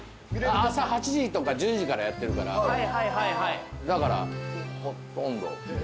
朝８時とか１０時からやってるからだからほとんど。